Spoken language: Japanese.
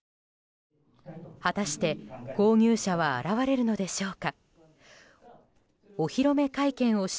果たして、購入者は現れるのでしょうか？